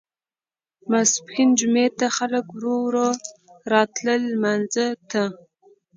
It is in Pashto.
ماسپښین جمعې ته خلک ورو ورو راتلل لمانځه ته.